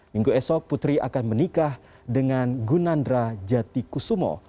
minggu esok putri akan menikah dengan gunandra jatikusumo